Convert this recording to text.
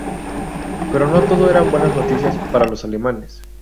Pero no todo eran buenas noticias para los alemanes.